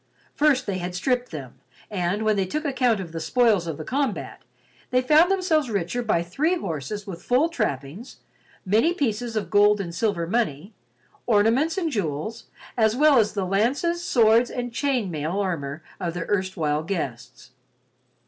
First they had stripped them and, when they took account of the spoils of the combat, they found themselves richer by three horses with full trappings, many pieces of gold and silver money, ornaments and jewels, as well as the lances, swords and chain mail armor of their erstwhile guests.